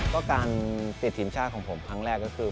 ก็การติดทีมชาติของผมครั้งแรกก็คือ